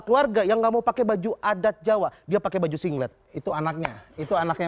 keluarga yang nggak mau pakai baju adat jawa dia pakai baju singlet itu anaknya itu anaknya